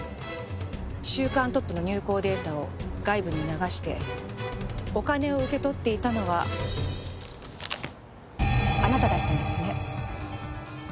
『週刊トップ』の入稿データを外部に流してお金を受け取っていたのはあなただったんですね。